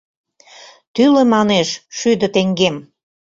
Тӱлӧ, манеш, шӱдӧ теҥгем.